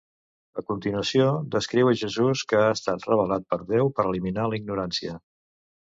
A continuació, descriu a Jesús que ha estat revelat per Déu per eliminar la ignorància.